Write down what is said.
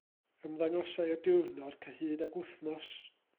Ymddangosai y diwrnod cyhyd ag wythnos.